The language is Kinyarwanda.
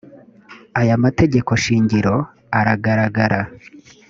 aya mategeko shingiro aragaragara